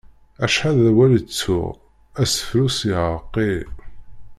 Acḥal d awal i ttuɣ... asefru-s iɛreq-iyi.